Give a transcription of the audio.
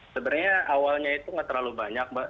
sebenarnya awalnya itu nggak terlalu banyak mbak